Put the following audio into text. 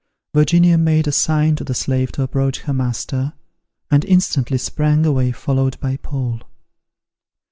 Virginia made a sign to the slave to approach her master; and instantly sprang away followed by Paul.